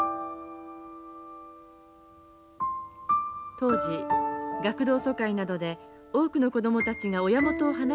当時学童疎開などで多くの子供たちが親元を離れて生活していました。